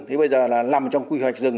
thì bây giờ là nằm trong quy hoạch rừng